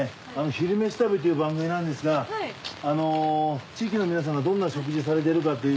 「昼めし旅」という番組なんですがあの地域の皆さんがどんな食事されているかという。